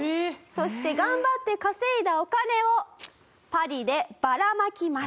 そして頑張って稼いだお金をパリでばらまきます。